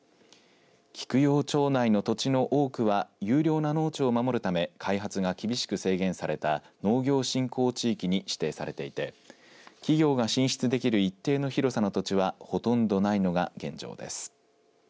菊陽町内の土地の多くは優良な農地を守るため開発が厳しく制限された農業振興地域に指定されていて企業が進出できる一定の広さの土地はほとんどのないのが現状です。